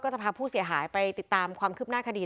จะพาผู้เสียหายไปติดตามความคืบหน้าคดี